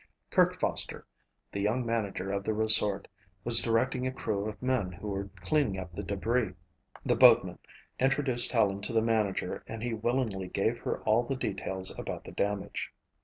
Kirk Foster, the young manager of the resort, was directing a crew of men who were cleaning up the debris. The boatman introduced Helen to the manager and he willingly gave her all the details about the damage.